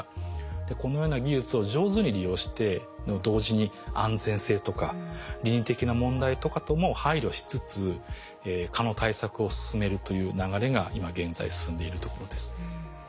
このような技術を上手に利用して同時に安全性とか倫理的な問題とかとも配慮しつつ蚊の対策を進めるという流れが今現在進んでいるところです。